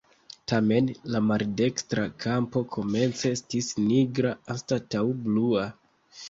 Tamen la maldekstra kampo komence estis nigra anstataŭ blua.